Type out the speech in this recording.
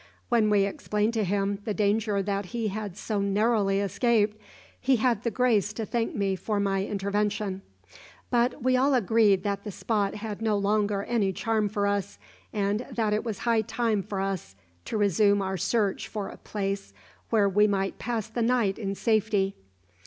When we explained to him the danger that he had so narrowly escaped, he had the grace to thank me for my intervention; but we all agreed that the spot had no longer any charm for us, and that it was high time for us to resume our search for a place where we might pass the night in safety.